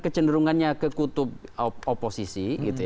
cenderungannya ke kutub oposisi